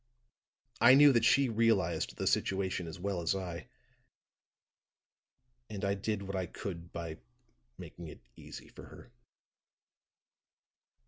I knew that she realized the situation as well as I, and I did what I could by making it easy for her."